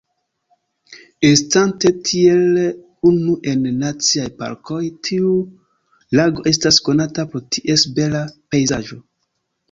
Estante tiel unu en naciaj parkoj, tiu lago estas konata pro ties bela pejzaĝo.